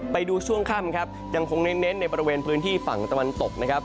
ไปดูช่วงค่ำครับยังคงเน้นในบริเวณพื้นที่ฝั่งตะวันตกนะครับ